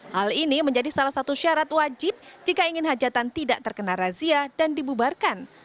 hal ini menjadi salah satu syarat wajib jika ingin hajatan tidak terkena razia dan dibubarkan